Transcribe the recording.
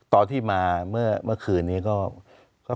ตอนที่มาเมื่อคืนนี้ก็